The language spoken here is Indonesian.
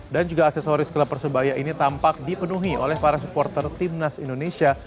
dan juga aksesoris klub persebaya ini tampak dipenuhi oleh para supporter timnas indonesia